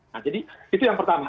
nah jadi itu yang pertama